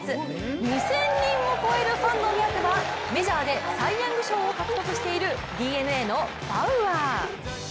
２０００人を超えるファンのお目当てはメジャーでサイ・ヤング賞を獲得しているＤｅＮＡのバウアー。